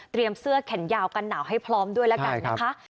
เสื้อแขนยาวกันหนาวให้พร้อมด้วยแล้วกันนะคะ